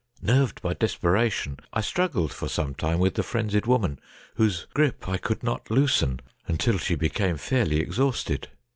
Nerved by desperation I struggled for some time with the frenzied woman, whose grip I could not loosen, until she became fairly exhausted.